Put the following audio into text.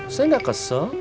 saya nggak kesel